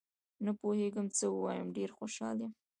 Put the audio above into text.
نه پوهېږم څه ووایم، ډېر خوشحال یم